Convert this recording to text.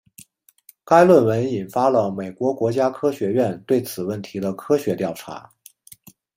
该论文引发了美国国家科学院对此问题的科学调查。